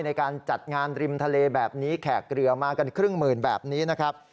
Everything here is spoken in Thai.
ในการจัดงานริมทะเลแบบนี้แขกเรือมากันครึ่งหมื่นแบบนี้นะครับ